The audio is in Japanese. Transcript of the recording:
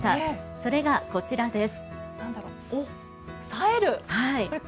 それがこちらです。